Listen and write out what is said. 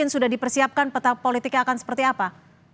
sudah dipersiapkan peta politiknya akan seperti apa